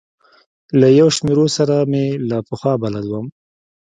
له یو شمېرو سره مې له پخوا بلد وم.